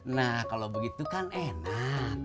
nah kalau begitu kan enak